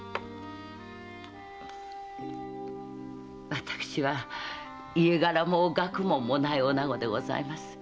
私は家柄も学問もないおなごでございます。